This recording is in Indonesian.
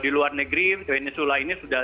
di luar negeri peninsula ini sudah